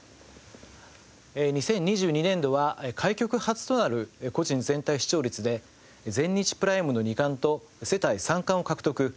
２０２２年度は開局初となる個人全体視聴率で全日・プライムの２冠と世帯３冠を獲得。